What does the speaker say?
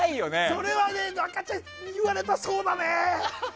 それは、若ちゃん言われたらそうだね。